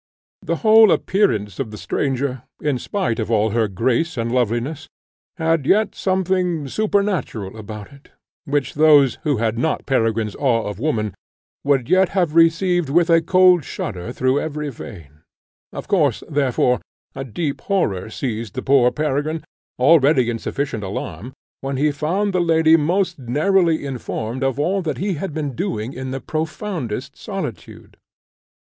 The whole appearance of the stranger, in spite of all her grace and loveliness, had yet something supernatural about it, which those, who had not Peregrine's awe of woman, would yet have received with a cold shudder through every vein; of course, therefore, a deep horror seized the poor Peregrine, already in sufficient alarm, when he found the lady most narrowly informed of all that he had been doing in the profoundest solitude.